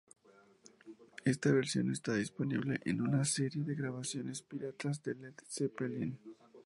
Esta versión está disponible en una serie de grabaciones piratas de Led Zeppelin.